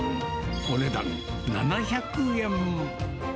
お値段７００円。